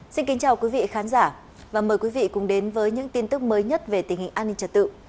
xin kính chào quý vị khán giả và mời quý vị cùng đến với những tin tức mới nhất về tình hình an ninh trật tự